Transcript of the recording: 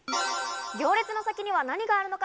行列の先には何があるのか？